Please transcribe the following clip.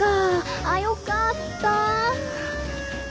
あっよかった